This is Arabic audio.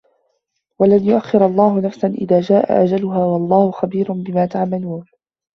وَلَن يُؤَخِّرَ اللَّهُ نَفسًا إِذا جاءَ أَجَلُها وَاللَّهُ خَبيرٌ بِما تَعمَلونَ